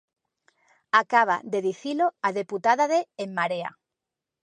Acaba de dicilo a deputada de En Marea.